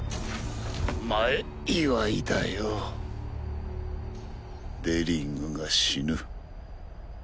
前祝いだよデリングが死ぬ。